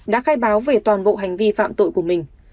đã khai báo về toàn bộ hành vi phạm tội của mình